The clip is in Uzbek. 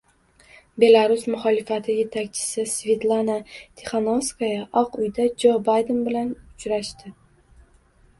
Belarus muxolifati yetakchisi Svetlana Tixanovskaya Oq uyda Jo Bayden bilan uchrashdi